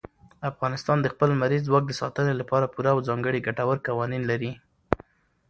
افغانستان د خپل لمریز ځواک د ساتنې لپاره پوره او ځانګړي ګټور قوانین لري.